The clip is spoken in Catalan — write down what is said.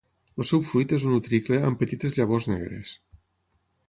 El seu fruit és un utricle amb petites llavors negres.